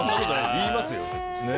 言いますよ。